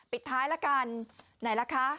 ปิดท้ายละกันไหนล่ะคะ